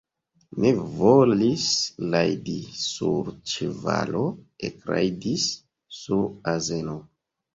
Ne volis rajdi sur ĉevalo, ekrajdis sur azeno.